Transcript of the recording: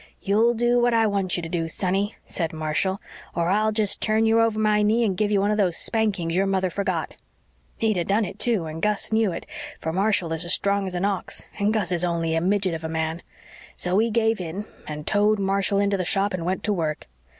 "'You'll do what I want you to do, sonny,' said Marshall, 'or I'll jest turn you over my knee and give you one of those spankings your mother forgot.' "He'd have done it, too, and Gus knew it, for Marshall is as strong as an ox and Gus is only a midget of a man. So he gave in and towed Marshall in to the shop and went to work.